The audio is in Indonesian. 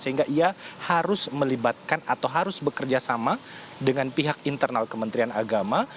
sehingga ia harus melibatkan atau harus bekerja sama dengan pihak internal kementerian agama